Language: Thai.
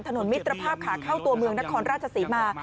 มิตรภาพขาเข้าตัวเมืองนครราชศรีมา